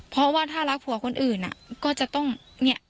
เพราะว่าถ้ารักผัวคนอื่นก็จะต้องเนี่ย